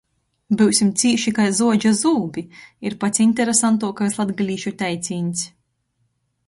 “Byusim cīši kai zuodža zūbi!” ir pats interesantuokais latgalīšu teicīņs.